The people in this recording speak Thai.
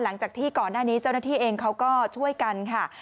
หลังจากที่ก่อนหน้านี้เจ้าหน้าที่เองเขาก็ช่วยกันค่ะ